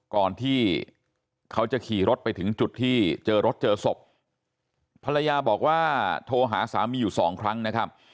ก่อนที่เขาจะขี่รถไปถึงจุดที่เจอรถเจอศพภรรยาบอกว่าโทรหาสามีอยู่สองครั้งนะครับ